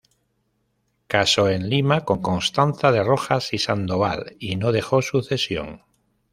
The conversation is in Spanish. Casó en Lima con Constanza de Rojas y Sandoval, y no dejó sucesión.